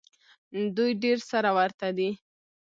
دوی ډېر سره ورته دي.